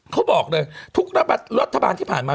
เขาบอกเลยทุกรัฐบาลที่ผ่านมา